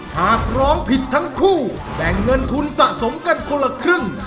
หากร้องผิดทั้งคู่แบ่งเงินทุนสะสมกันคนละครึ่ง